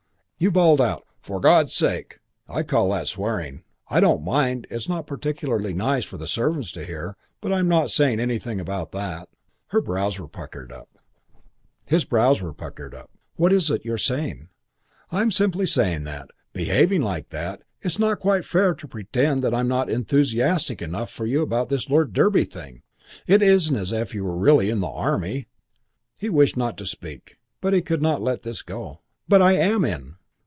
"You bawled out, 'For God's sake.' I call that swearing. I don't mind. It's not particularly nice for the servants to hear, but I'm not saying anything about that." His brows were puckered up. "What is it you are saying?" "I'm simply saying that, behaving like that, it's not quite fair to pretend that I'm not enthusiastic enough for you about this Lord Derby thing. It isn't as if you were really in the Army " He wished not to speak, but he could not let this go. "But I am in."